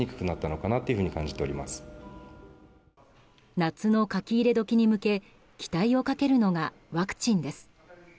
夏の書き入れ時に向け期待をかけるのがワクチンです。